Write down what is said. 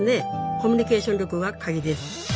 コミュニケーション力がカギです。